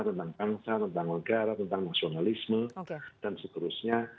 tentang bangsa tentang negara tentang nasionalisme dan seterusnya